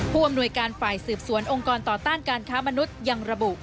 ผู้อำนวยการฝ่ายสืบสวนองค์กรต่อต้านการค้ามนุษย์ยังระบุ